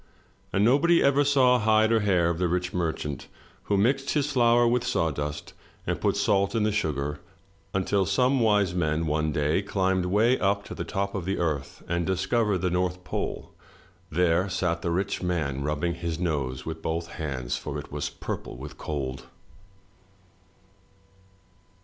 And nobody ever saw hide or hair of the rich merchant who mixed his flour with sawdust and put salt in the sugar, until some wise men one day climbed way up to the top of the Earth and discovered the North Pole. There sat the rich man rubbing his nose with both hands, for it was purple with cold.